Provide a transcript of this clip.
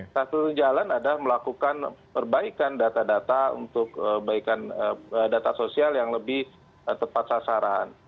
satu jalan adalah melakukan perbaikan data data untuk perbaikan data sosial yang lebih tepat sasaran